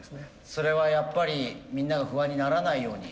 それはやっぱりみんなが不安にならないように。